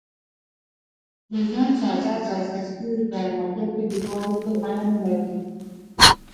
د ژوند سعادت او خوښي په مادیاتو ډېر والي پورې اړه نه لري.